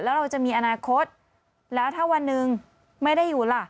แล้วเราจะมีอนาคตแล้วถ้าวันหนึ่งไม่ได้อยู่ล่ะ